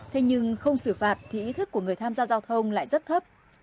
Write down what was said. thế nhưng không xử phạt thì ý thức của người tham gia giao thông lại rất thấp